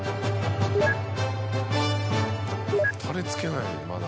タレつけないまだ。